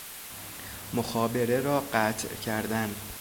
مخابره را قطع کردن